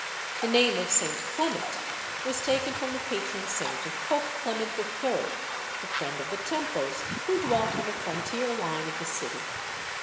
The name of Saint Clement was taken from the patron saint of Pope Clement III., the friend of the Templars, who dwelt on the frontier line of the City.